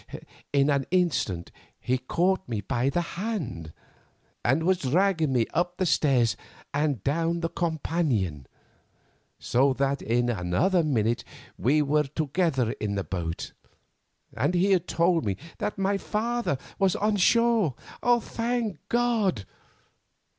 In an instant he caught me by the hand, and was dragging me up the stairs and down the companion, so that in another minute we were together in the boat, and he had told me that my father was on shore—thank God!